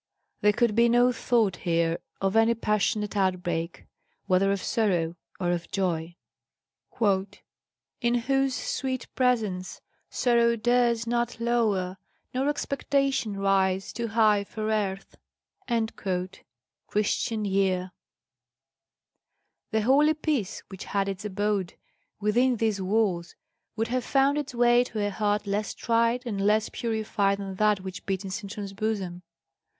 There could be no thought here of any passionate outbreak, whether of sorrow or of joy. "In whose sweet presence sorrow dares not lower Nor expectation rise Too high for earth." Christian Year (Footnote in 1901 text.) The holy peace which had its abode within these walls would have found its way to a heart less tried and less purified than that which beat in Sintram's bosom.